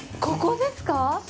ここですか？